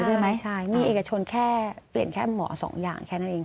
ใช่ไหมใช่มีเอกชนแค่เปลี่ยนแค่หมอสองอย่างแค่นั้นเอง